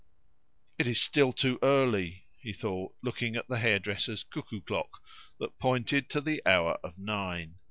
"It is still too early," he thought, looking at the hairdresser's cuckoo clock, that pointed to the hour of nine.